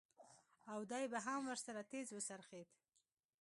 او دى به هم ورسره تېز وڅرخېد.